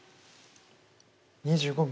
２５秒。